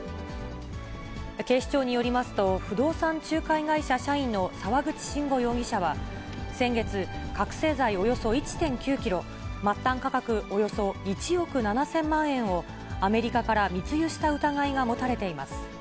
警視庁によりますと、不動産仲介会社社員の沢口慎吾容疑者は先月、覚醒剤およそ１．９キロ、末端価格およそ１億７０００万円を、アメリカから密輸した疑いが持たれています。